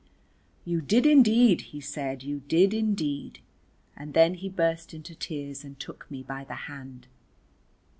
"You did indeed," he said, "You did indeed." And then he burst into tears and took me by the hand.